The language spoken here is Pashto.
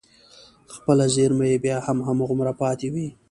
خپله زېرمه يې بيا هم هماغومره پاتې وي.